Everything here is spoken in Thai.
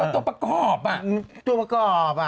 ตัวประกอบอ่ะตัวประกอบอ่ะ